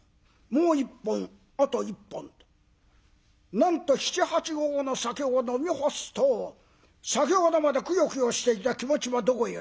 もう一本あと一本となんと７８合の酒を飲み干すと先ほどまでくよくよしていた気持ちはどこへやら。